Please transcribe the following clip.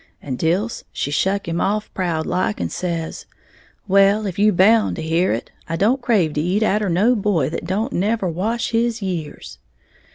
And Dilse she shuck him off proud like, and says, 'Well, if you bound to hear it, I don't crave to eat atter no boy that don't never wash his years!'